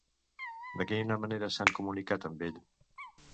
De quina manera s'han comunicat amb ell?